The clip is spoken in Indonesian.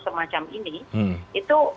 semacam ini itu